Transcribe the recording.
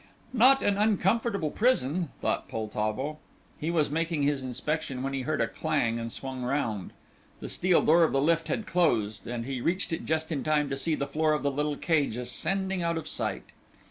Not an uncomfortable prison, thought Poltavo. He was making his inspection when he heard a clang, and swung round. The steel door of the lift had closed and he reached it just in time to see the floor of the little cage ascending out of sight.